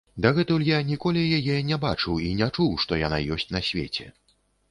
Дагэтуль я ніколі яе не бачыў і не чуў, што яна ёсць на свеце.